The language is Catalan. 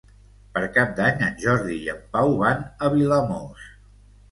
Per Cap d'Any en Jordi i en Pau van a Vilamòs.